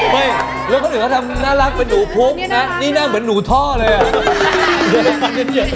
ไม่แล้วคนอื่นเขาทำน่ารักเป็นหนูพกนะนี่หน้าเหมือนหนูท่อเลยอ่ะ